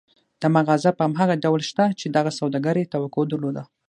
دا مغازه په هماغه ډول شته چې دغه سوداګر يې توقع درلوده.